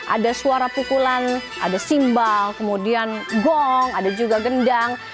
ada suara pukulan ada simbal kemudian gong ada juga gendang